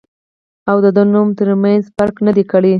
او د دۀ د نوم تر مېنځه فرق نۀ دی کړی